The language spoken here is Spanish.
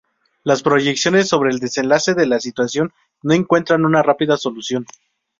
Las proyecciones sobre el desenlace de la situación no encuentran una rápida solución.